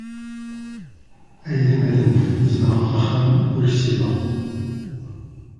Ay atmaten zedɣeɣ axxam ur ksibeɣ.